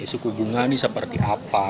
suku bunga ini seperti apa